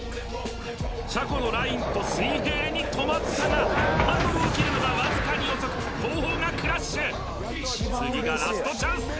車庫のラインと水平に止まったがハンドルを切るのがわずかに遅く後方がクラッシュ次がラストチャンス